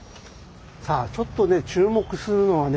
さあちょっとね注目するのはね